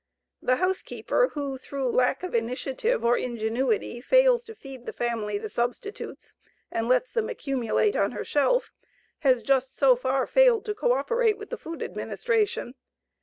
The housekeeper who through lack of initiative or ingenuity fails to feed the family the substitutes and lets them accumulate on her shelf has just so far failed to co operate with the Food Administration.